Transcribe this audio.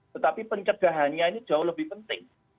tetapi pencegahannya ini jauh lebih penting